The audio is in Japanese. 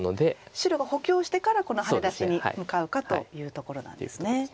白が補強してからこのハネ出しに向かうかというところなんですね。